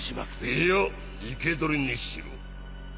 いや生け捕りにしろ。